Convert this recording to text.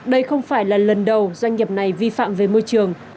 đây không phải là lần đầu doanh nghiệp này vi phạm về môi trường